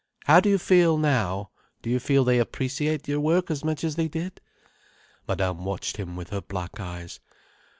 How do you feel, now? Do you feel they appreciate your work as much as they did?" Madame watched him with her black eyes.